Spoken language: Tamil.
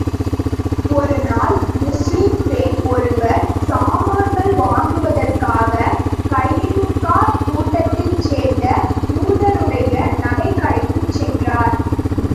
ஒரு நாள், முஸ்லிம் பெண் ஒருவர் சாமான்கள் வாங்குவதற்காக கைனுகா கூட்டத்தைச் சேர்ந்த யூதருடைய நகைக் கடைக்குச் சென்றார்.